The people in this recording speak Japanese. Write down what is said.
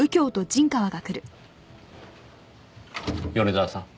米沢さん。